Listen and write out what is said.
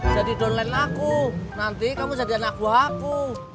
jadi downline aku nanti kamu jadi anak buah aku